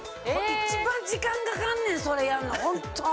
一番時間かかんねんそれやんの本当に。